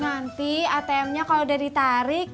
nanti atm nya kalau udah ditarik